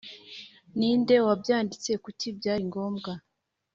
Ni nde wabyanditse Kuki byari ngombwa